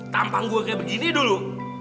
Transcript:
tampang gue kayak begini dulu